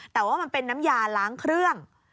แต่ว่ามันเป็นน้ำยาล้างเครื่อง